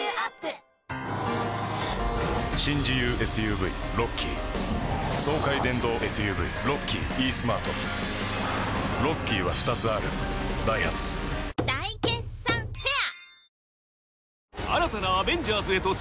新自由ＳＵＶロッキー爽快電動ＳＵＶロッキーイースマートロッキーは２つあるダイハツ大決算フェア